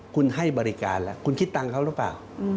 คุณให้บริการแล้วคุณคิดตังค์เขาหรือเปล่า